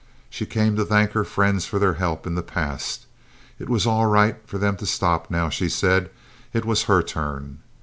She came to thank her friends for their help in the past. It was all right for them to stop now, she said; it was her turn.